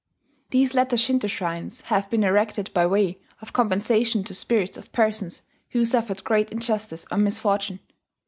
These latter Shinto shrines have been erected by way of compensation to spirits of persons who suffered great injustice or misfortune.